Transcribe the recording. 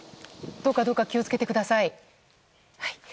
どうか、どうか気を付けてください。